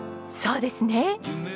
そうですね。